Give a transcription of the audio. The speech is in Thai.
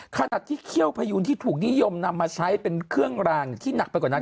ขนาดที่เขี้ยวพยูนที่ถูกนิยมนำมาใช้เป็นเครื่องรางที่หนักไปกว่านั้น